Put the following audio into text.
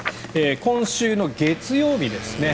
今週月曜日ですね